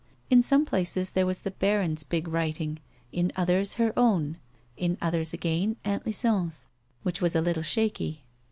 In some places there was the baron's big writing, in others her own, in others again Aunt Lison's which was a little shakj.